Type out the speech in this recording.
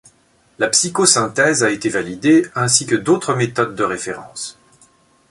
La psychosynthèse a été validée ainsi que d'autres méthodes de référence.